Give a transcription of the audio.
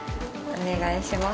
お願いします。